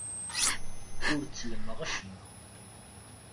Ur ttellmeɣ acemma.